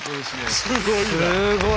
すごい。